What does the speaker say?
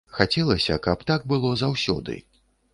Хацелася, каб так было заўсёды.